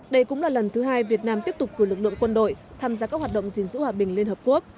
đây cũng là lần thứ hai việt nam tiếp tục cử lực lượng quân đội tham gia các hoạt động gìn giữ hòa bình liên hợp quốc